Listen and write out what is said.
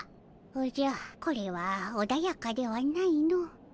おじゃこれはおだやかではないの。